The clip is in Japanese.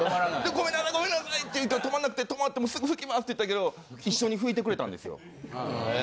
「ごめんなさいごめんなさい」って言うけど止まんなくて止まって「もうすぐ拭きます」って言ったけど一緒に拭いてくれたんですよ。